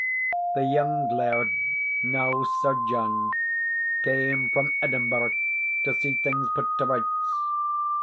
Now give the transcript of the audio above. The young laird, now Sir John, came from Edinburgh to see things put to rights.